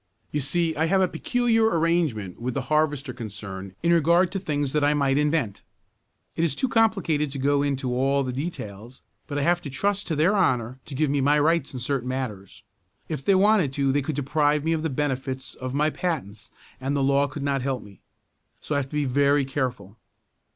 You see I have a peculiar arrangement with the harvester concern in regard to things that I might invent. It is too complicated to go into all the details, but I have to trust to their honor to give me my rights in certain matters. If they wanted to they could deprive me of the benefits of my patents and the law could not help me. So I have to be very careful.